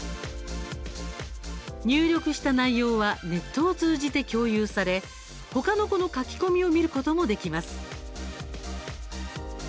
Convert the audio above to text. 入力した内容はネットを通じて共有されほかの子の書き込みを見ることもできます。